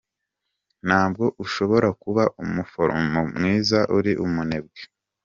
Ntabwo ushobora kuba umuforomo mwiza, uri umunebwe.